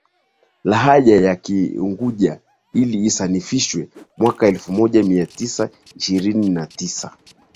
lahaja ya Kiunguja ili isanifishwe mwaka elfumoja miatisa ishirini na tisa